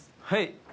はい。